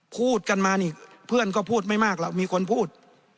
พูดกันมานี่เพื่อนก็พูดไม่มากหรอกมีคนพูด